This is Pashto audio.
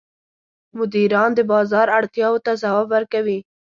مدیران د بازار اړتیاوو ته ځواب ورکوي.